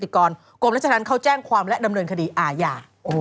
กรมรัชธรรมเขาแจ้งความและดำเนินคดีอาญา